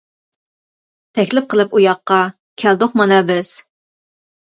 تەكلىپ قىلىپ ئۇياققا، كەلدۇق مانا بىز.